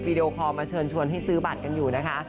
ดีโอคอลมาเชิญชวนให้ซื้อบัตรกันอยู่นะคะ